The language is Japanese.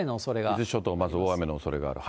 伊豆諸島、まず大雨のおそれがある。